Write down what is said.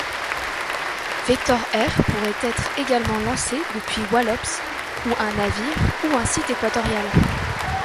Vector-R pourrait être également lancé depuis Wallops ou un navire ou un site équatorial.